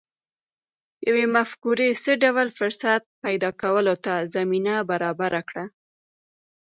يوې مفکورې څه ډول فرصت پيدا کولو ته زمينه برابره کړه؟